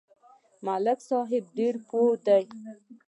ملک صاحب ډېر پوه دی.